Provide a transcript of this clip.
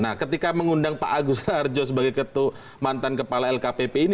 nah ketika mengundang pak agus rarjo sebagai ketua mantan kepala lkpp ini